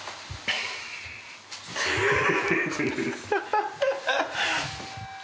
ハハハハハ。